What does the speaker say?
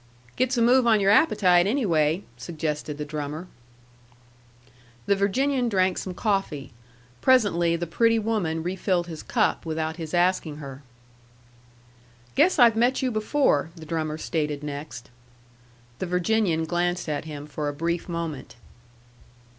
"Gets a move on your appetite, anyway," suggested the drummer. The Virginian drank some coffee. Presently the pretty woman refilled his cup without his asking her. "Guess I've met you before," the drummer stated next. The Virginian glanced at him for a brief moment.